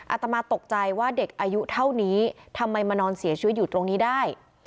อาตมาตกใจว่าเด็กอายุเท่านี้ทำไมมานอนเสียชีวิตอยู่ตรงนี้ได้